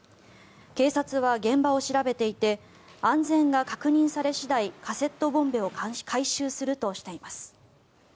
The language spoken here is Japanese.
警察は現場を調べていて安全が確認され次第カセットボンベを回収するとしています。